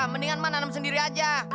mendingan mah nanam sendiri aja